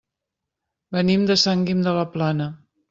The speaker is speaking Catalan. Venim de Sant Guim de la Plana.